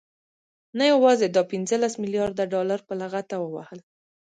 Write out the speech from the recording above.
نه يوازې دا پنځلس مليارده ډالر په لغته ووهل،